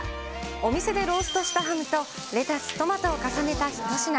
お店でローストしたハムと、レタス、トマトを重ねた一品。